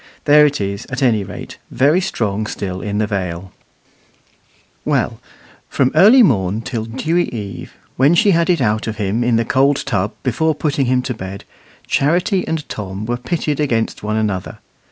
There it is, at any rate, very strong still in the Vale. Well, from early morning till dewy eve, when she had it out of him in the cold tub before putting him to bed, Charity and Tom were pitted against one another.